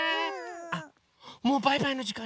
あっもうバイバイのじかんだ！